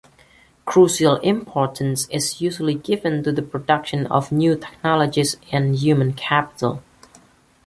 Crucial importance is usually given to the production of new technologies and human capital.